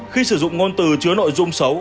khi sử dụng ngôn từ chứa nội dung xấu